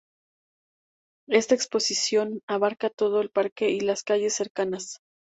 Esta exposición abarcaba todo el parque y las calles cercanas.